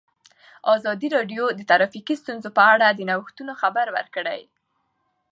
ازادي راډیو د ټرافیکي ستونزې په اړه د نوښتونو خبر ورکړی.